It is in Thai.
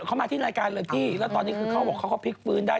เขามาที่รายการเลยพี่แล้วตอนนี้คือเขาบอกเขาก็พลิกฟื้นได้